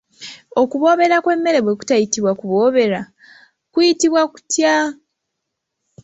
Okuboobera kw'emmere bwe kutayitibwa kuboobera, kuyitibwa kutya?